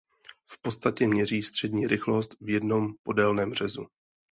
V podstatě měří střední rychlost v jednom podélném řezu.